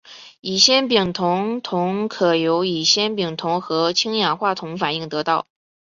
乙酰丙酮铜可由乙酰丙酮和氢氧化铜反应得到。